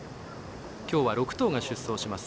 きょうは６頭が出走します。